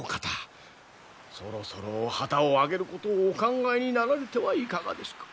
そろそろ旗をあげることをお考えになられてはいかがですか？